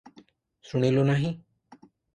ଶୁଣିଲୁ ନାହିଁ ।